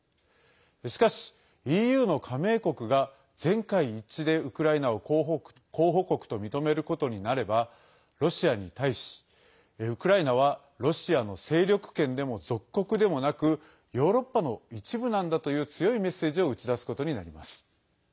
しかし、ＥＵの加盟国が全会一致で、ウクライナを候補国と認めることとなればロシアに対し、ウクライナはロシアの勢力圏でも属国でもなくヨーロッパの一部なんだという強いメッセージを打ち出すことになります。